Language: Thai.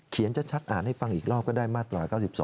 ชัดอ่านให้ฟังอีกรอบก็ได้มาตรา๙๒